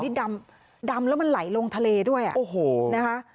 นี่ดำดำแล้วมันไหลลงทะเลด้วยอ่ะโอ้โหนะคะ